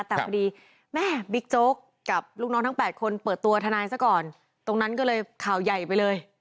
แต่พอดีแม่บิ๊กโจ๊กกับลูกน้องทั้ง๘คนเปิดตัวทนายซะก่อนตรงนั้นก็เลยข่าวใหญ่ไปเลย